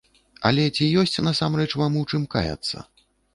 Але ці ёсць насамрэч вам у чым каяцца?